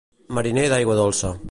Mariner d'aigua dolça.